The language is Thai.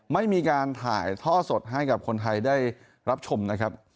ไม่มีการถ่ายท่อสดให้กับคนไทยได้รับชมนะครับ